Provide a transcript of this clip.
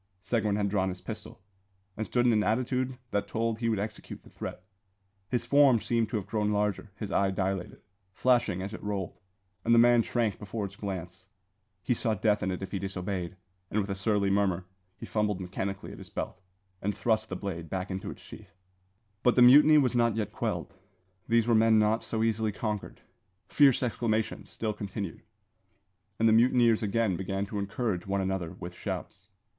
Seguin had drawn his pistol, and stood in an attitude that told he would execute the threat. His form seemed to have grown larger; his eye dilated, flashing as it rolled, and the man shrank before its glance. He saw death in it if he disobeyed, and with a surly murmur he fumbled mechanically at his belt, and thrust the blade back into its sheath. But the mutiny was not yet quelled. These were men not so easily conquered. Fierce exclamations still continued, and the mutineers again began to encourage one another with shouts.